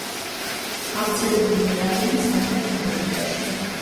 გავრცელებულნი არიან სამხრეთ ამერიკაში.